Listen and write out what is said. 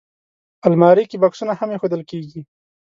الماري کې بکسونه هم ایښودل کېږي